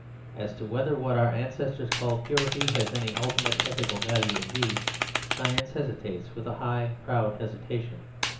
As to whether what our ancestors called purity has any ultimate ethical value indeed, science hesitates with a high, proud hesitation.